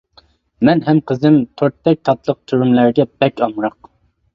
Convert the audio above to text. مەن ھەم قىزىم تورتتەك تاتلىق تۈرۈملەرگە بەك ئامراق.